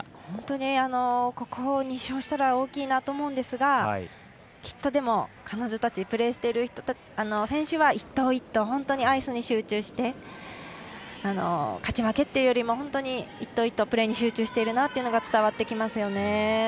本当にここを２勝したら大きいなと思うんですがきっと、彼女たちプレーしている選手は１投１投、アイスに集中して勝ち負けというよりも本当に１投１投プレーに集中しているなと伝わってきますよね。